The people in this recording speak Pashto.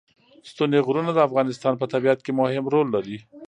ستوني غرونه د افغانستان په طبیعت کې مهم رول لري.